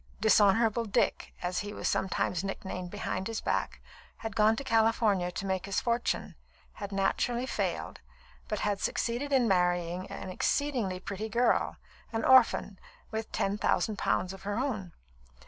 "Dishonourable Dick," as he was sometimes nicknamed behind his back, had gone to California to make his fortune, had naturally failed, but had succeeded in marrying an exceedingly pretty girl, an orphan, with ten thousand pounds of her own.